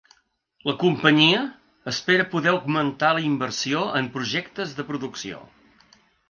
La companyia espera poder augmentar la inversió en projectes de producció.